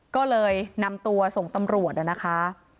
ก็เลยนำตัวส่งตำรวจนะคะ